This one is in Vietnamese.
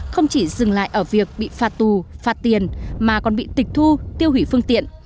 không chỉ dừng lại ở việc bị phạt tù phạt tiền mà còn bị tịch thu tiêu hủy phương tiện